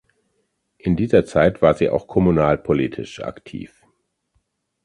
In dieser Zeit war sie auch kommunalpolitisch aktiv.